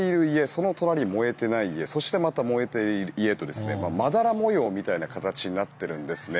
その隣が燃えていない家そして、また燃えている家とまだら模様みたいな形になっているんですね。